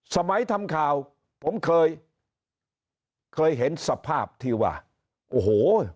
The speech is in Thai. สมัยทำข่าวผมเคยเคยเห็นสภาพที่ว่าโอ้โห